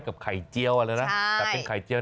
กับไข่เจียวเลยนะแต่เป็นไข่เจียว